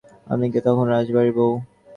আমি কি তখন রাজবাড়ির বউ?